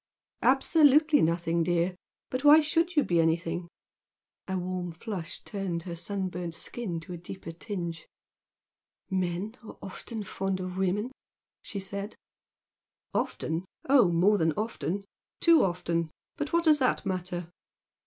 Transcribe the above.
"Absolutely nothing, dear! But why should you be any thing?" A warm flush turned her sunburnt skin to a deeper tinge. "Men are often fond of women" she said. "Often? Oh, more than often! Too often! But what does that matter?"